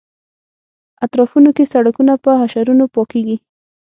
اطرافونو کې سړکونه په حشرونو پاکېږي.